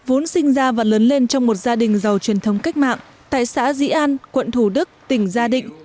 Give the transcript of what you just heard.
vốn sinh ra và lớn lên trong một gia đình giàu truyền thống cách mạng tại xã dĩ an quận thủ đức tỉnh gia định